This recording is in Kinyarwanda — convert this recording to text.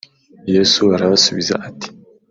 Yesu arabasubiza ati